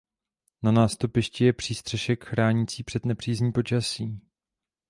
Na nástupišti je přístřešek chránící před nepřízní počasí.